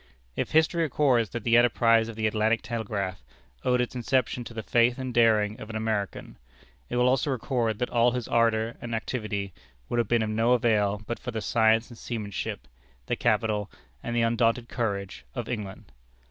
If history records that the enterprise of the Atlantic Telegraph owed its inception to the faith and daring of an American, it will also record that all his ardor and activity would have been of no avail but for the science and seamanship, the capital and the undaunted courage, of England.